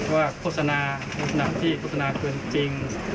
ว่าโฆษณาที่โฆษณาคือจริง